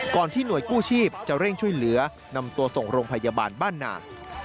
ที่หน่วยกู้ชีพจะเร่งช่วยเหลือนำตัวส่งโรงพยาบาลบ้านหนา